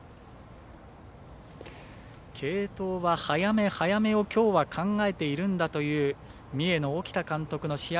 継投は早め早めをきょうは考えているんだという三重の沖田監督の試合